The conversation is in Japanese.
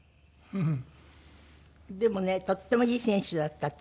うん。